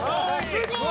すごい！